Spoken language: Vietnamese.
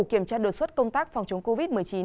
kiểm tra đột xuất công tác phòng chống covid một mươi chín